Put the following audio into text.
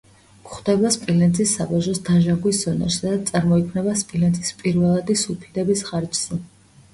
გვხვდება სპილენძის საბადოების დაჟანგვის ზონაში, სადაც წარმოიქმნება სპილენძის პირველადი სულფიდების ხარჯზე.